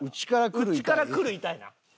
内からくる「痛い」な。